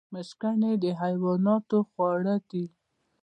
مشګڼې د حیواناتو خواړه دي